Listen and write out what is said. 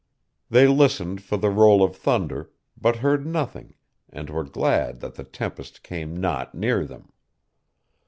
They listened for the roll of thunder, but heard nothing, and were glad that the tempest came not near them.